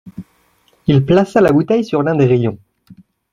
Il plaça la bouteille sur l’un des rayons